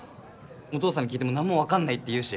お父さんに聞いても何も分かんないって言うし。